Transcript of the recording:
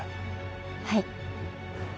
はい。